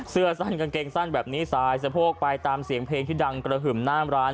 เสื้อสั้นกางเกงสั้นแบบนี้สายสะโพกไปตามเสียงเพลงที่ดังกระหึ่มหน้าร้าน